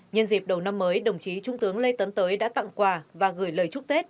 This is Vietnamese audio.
nhân dịp đầu năm mới đồng chí trung tướng lê tấn tới đã tặng quà và gửi lời chúc tết